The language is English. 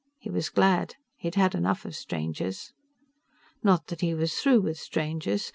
He was glad. He'd had enough of strangers. Not that he was through with strangers.